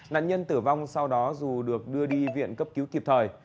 nạn nhân tử vong sau đó dù được đưa đi viện cấp cứu kịp thời